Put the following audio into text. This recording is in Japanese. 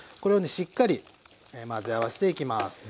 しっかり混ぜ合わせていきます。